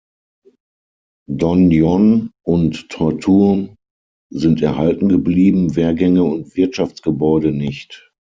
Donjon und Torturm sind erhalten geblieben, Wehrgänge und Wirtschaftsgebäude nicht.